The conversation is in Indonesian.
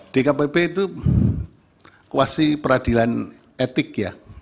dkpp itu kuasi peradilan etik ya